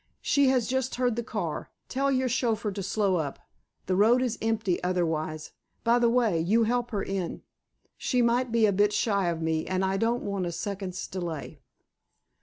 "She has just heard the car. Tell your chauffeur to slow up. The road is empty otherwise. By the way, you help her in. She might be a bit shy of me, and I don't want a second's delay."